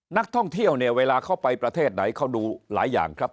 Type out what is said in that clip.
นักท่องเที่ยวเนี่ยเวลาเขาไปประเทศไหนเขาดูหลายอย่างครับ